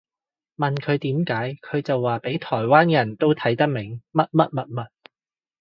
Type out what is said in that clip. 問佢點解佢就話畀台灣人都睇得明乜乜物物